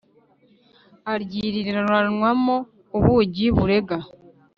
aryiriranwa mwo ubugi, burega